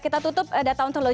kita akan buka